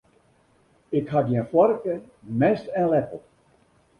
Ik ha gjin foarke, mes en leppel.